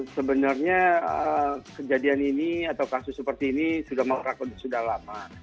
sebenarnya kejadian ini atau kasus seperti ini sudah lama